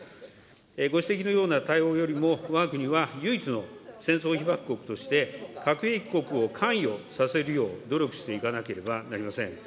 ご指摘のような対応よりもわが国は唯一の戦争被爆国として、核兵器国を関与させるよう努力していかなければなりません。